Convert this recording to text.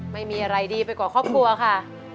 ไม่มีอะไรดีไปกว่าครอบครัวค่ะ